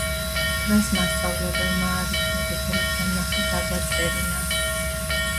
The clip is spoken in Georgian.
დღეს მასწავლებელმა არითმეტიკული კარნახი დაგვაწერინა